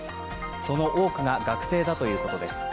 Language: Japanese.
その多くが学生だということです。